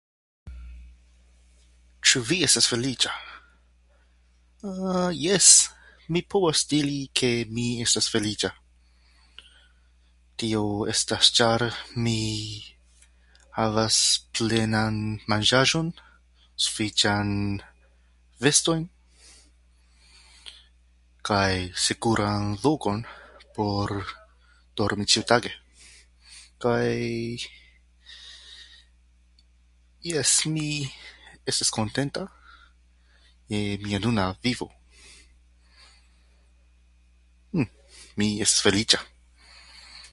Ĉu vi estas feliĉa? Ahm... Jes, mi povas diri ke mi estas feliĉa. Tio estas ĉar mi havas plenan manĝajon, sufiĉan veston, kaj sekuran lokon por dormi ĉiutage. Kaj, jes, mi estas kontenta je mia nuna vivo. Hm... Mi estas feliĉa.